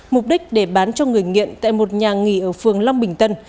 mục đích để bán cho người nghiện tại một nhà nghỉ ở phường long bình tân